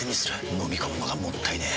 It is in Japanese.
のみ込むのがもったいねえ。